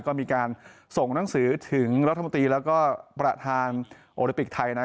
ก็มีการส่งหนังสือถึงรัฐมนตรีแล้วก็ประธานโอลิปิกไทยนะ